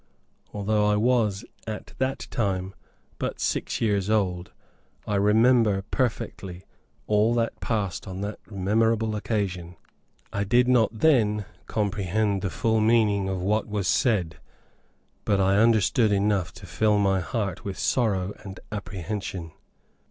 Though I was at that time but six years old, I remember perfectly, all that passed upon that memorable occasion. I did not then comprehend the full meaning of what was said, but I understood enough to fill my heart with sorrow and apprehension.